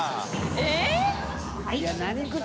えっ！